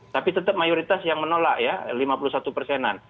tapi tetap mayoritas yang menolak ya lima puluh satu persenan